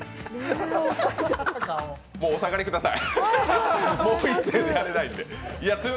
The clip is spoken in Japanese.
もうお下がりください。